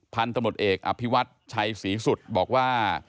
พันธุ์ตำรวจเอกอภิวัตชัยศรีสุดบอกว่า